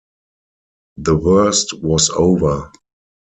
The worst was over.